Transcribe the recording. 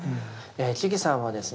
智さんはですね